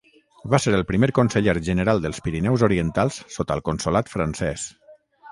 Va ser el primer conseller general dels Pirineus Orientals sota el Consolat francès.